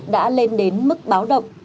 đã lên đến mức báo động